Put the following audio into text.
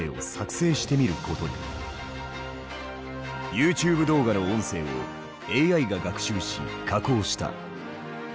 ＹｏｕＴｕｂｅ動画の音声をＡＩが学習し加工した。